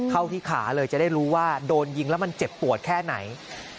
เข้าที่ขาเลยจะได้รู้ว่าโดนยิงแล้วมันเจ็บปวดแค่ไหน